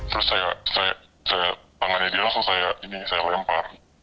terus saya tangannya dia langsung saya lempar